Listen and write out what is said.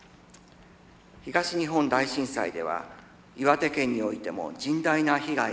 東日本大震災では岩手県においても甚大な被害が発生しました。